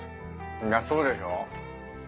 そうでしょ？